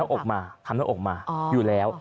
เว้นเขาทำระอกมาอยู่แล้ว